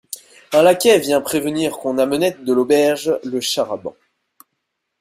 Un laquais vint prévenir qu'on amenait de l'auberge le char-à-bancs.